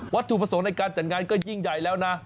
ถูกประสงค์ในการจัดงานก็ยิ่งใหญ่แล้วนะ